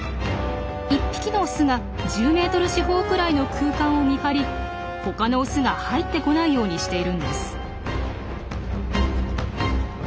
１匹のオスが１０ｍ四方くらいの空間を見張り他のオスが入ってこないようにしているんです。